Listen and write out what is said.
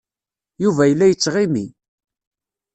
Yuba yella yettɣimi.